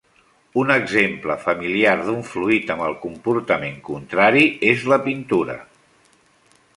Un exemple familiar d'un fluid amb el comportament contrari és la pintura.